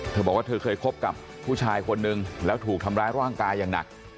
เธอบอกว่าเธอเคยคบกับผู้ชายคนนึงแล้วถูกทำร้ายร่างกายอย่างหนัก